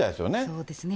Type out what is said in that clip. そうですね。